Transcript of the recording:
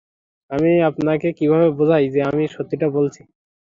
আমি আপনাকে কিভাবে বুঝাই যে আমি সত্যিটাই বলছি।